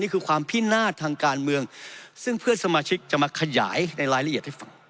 ความพินาศทางการเมืองซึ่งเพื่อนสมาชิกจะมาขยายในรายละเอียดให้ฟัง